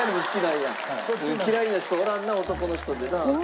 嫌いな人おらんな男の人でな。